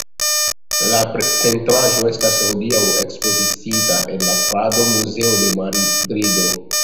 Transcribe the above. La pentraĵo estas hodiaŭ ekspoziciita en la Prado-Muzeo de Madrido.